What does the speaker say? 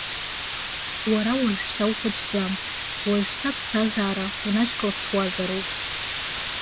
Уара уажәшьҭа ухәыҷӡам, уажәшьҭа аԥсҭазаара унашьклаԥшуазароуп.